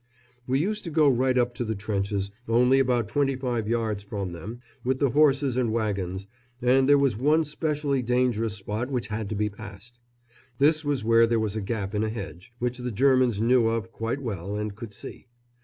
We used to go right up to the trenches, only about twenty five yards from them, with the horses and wagons, and there was one specially dangerous spot which had to be passed. This was where there was a gap in a hedge, which the Germans knew of quite well and could see.